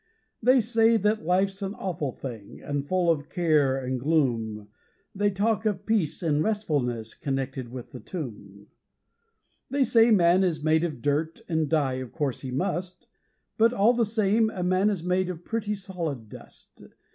They say that life's an awful thing, and full of care and gloom, They talk of peace and restfulness connected with the tomb. They say that man is made of dirt, and die, of course, he must; But, all the same, a man is made of pretty solid dust.